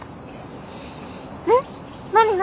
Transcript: えっ何何？